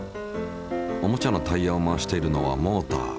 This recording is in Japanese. おもちゃのタイヤを回しているのはモーター。